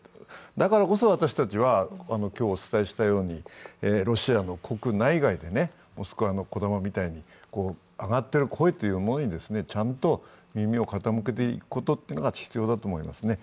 だからこそ私たちは、今日お伝えしたように、ロシアの国内外でモスクワのこだまみたいに上がっている声というものにちゃんと耳を傾けていくことが必要だと思いますね。